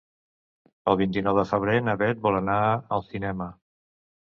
El vint-i-nou de febrer na Beth vol anar al cinema.